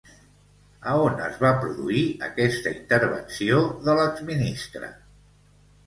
A on es va produir aquesta intervenció de l'exministre?